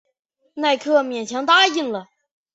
迈克勉强答应了。